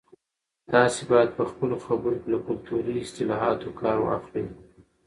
تاسي باید په خپلو خبرو کې له کلتوري اصطلاحاتو کار واخلئ.